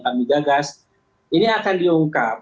kami gagas ini akan diungkap